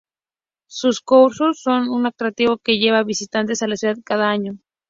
Sus corsos son un atractivo que lleva visitantes a la ciudad cada año.